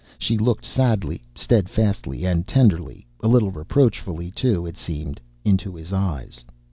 She looked sadly, steadfastly, and tenderly a little reproachfully, too, it seemed into his eyes.